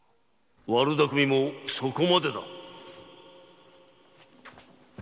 ・悪だくみもそこまでだ。